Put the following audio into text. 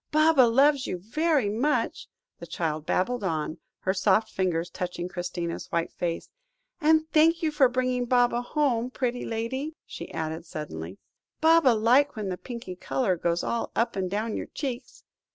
"Baba loves you very much," the child babbled on, her soft fingers touching Christina's white face, "and thank you for bringing Baba home. Pretty lady," she added suddenly, "Baba like when the pinky colour goes all up and down your cheeks."